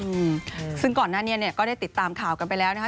อืมซึ่งก่อนหน้านี้เนี่ยก็ได้ติดตามข่าวกันไปแล้วนะคะ